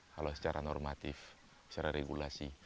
kalau secara normatif secara regulasi